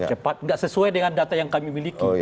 cepat nggak sesuai dengan data yang kami miliki